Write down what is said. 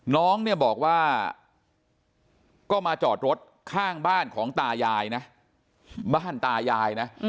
น้องเนี่ยบอกว่าก็มาจอดรถข้างบ้านของตายายนะบ้านตายายนะ